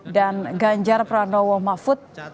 dan ganjar pranowo mahfud